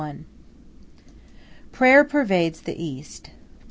XIV EDFU Prayer pervades the East.